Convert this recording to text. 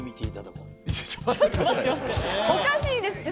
おかしいですって。